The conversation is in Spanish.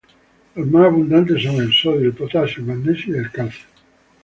Los más abundantes son el sodio, el potasio, el magnesio y el calcio.